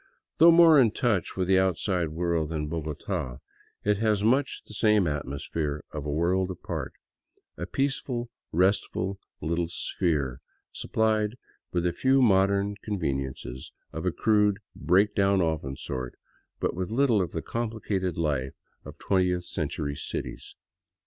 Though more in touch with the outside world than Bogota, it has much the same atmosphere of a world apart, a peaceful, restful little sphere suppHed with a few mod ern conveniences of a crude, break down often sort, but with little of the complicated life of twentieth century cities.